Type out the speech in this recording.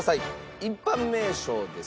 一般名称です。